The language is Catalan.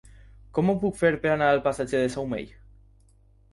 Com ho puc fer per anar al passatge de Saumell?